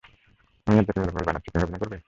আমি আর জেপি মিলে মুভি বানাচ্ছি, তুমি অভিনয় করবে?